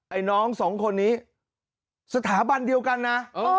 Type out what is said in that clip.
ไอ้น้องสองคนนี้สถาบันเดียวกันนะ